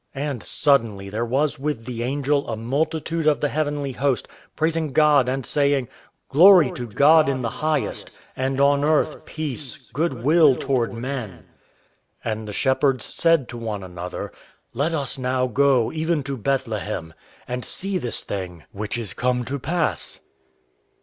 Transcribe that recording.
And suddenly there was with the angel a multitude of the heavenly host, praising God and saying: "Glory to God in the highest, and on earth peace, good will toward men." And the shepherds said one to another: "Let us now go, even to Bethlehem, and see this thing which is come to pass."